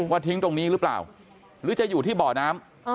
ทิ้งตรงนี้หรือเปล่าหรือจะอยู่ที่เบาะน้ำ